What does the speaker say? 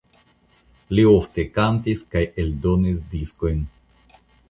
Li ofte kantis kaj eldonis diskojn.